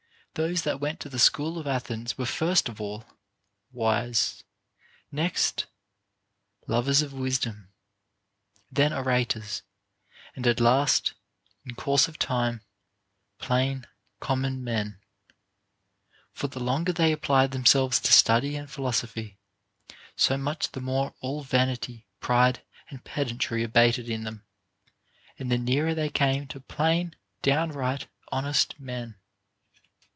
Those that went to the school of Athens were first of all (σοφοί) wise, next (cploaocfoi) lovers of wisdom, then ora tors, and at last, in course of time, plain common men ; for the longer they applied themselves to study and phi losophy, so much the more all vanity, pride, and pedantry abated in them, and the nearer they came to plain, down right, honest men.